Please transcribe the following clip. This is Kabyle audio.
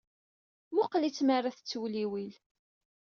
Mmuqqel-itt mi ara tettewliwil.